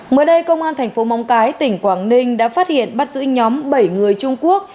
mới đây công an thành phố móng cái tỉnh quảng ninh đã phát hiện bắt giữ nhóm bảy người trung quốc